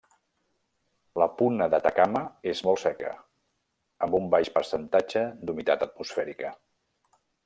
La puna d'Atacama és molt seca, amb un baix percentatge d'humitat atmosfèrica.